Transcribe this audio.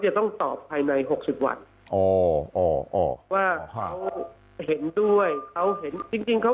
จะต้องตอบภายใน๖๐วันแต่เธอเห็นด้วยเธอเขาเห็นจริงเขา